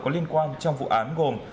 có liên quan trong vụ án gồm